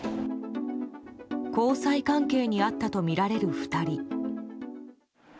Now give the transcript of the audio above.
交際関係にあったとみられる２人。